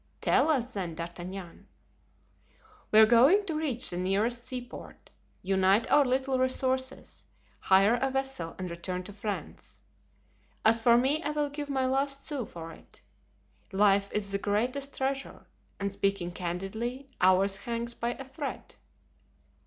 "Tell us, then, D'Artagnan." "We are going to reach the nearest seaport, unite our little resources, hire a vessel and return to France. As for me I will give my last sou for it. Life is the greatest treasure, and speaking candidly, ours hangs by a thread."